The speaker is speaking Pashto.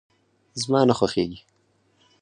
زما نه خوښيږي.